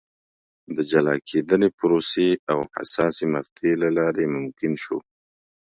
د جلا کېدنې پروسې او حساسې مقطعې له لارې ممکن شو.